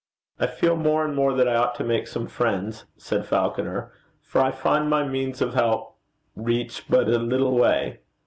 'I feel more and more that I ought to make some friends,' said Falconer; 'for I find my means of help reach but a little way.